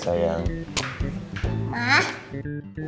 tadi karanya aku ngapain